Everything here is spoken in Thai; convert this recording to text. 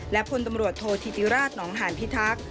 และพลตำรวจโทษธิติราชหนองหานพิทักษ์